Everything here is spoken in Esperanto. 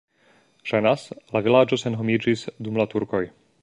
Ŝajnas, la vilaĝo senhomiĝis dum la turkoj.